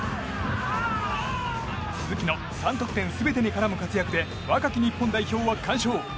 鈴木の３得点全てに絡む活躍で若き日本代表は完勝。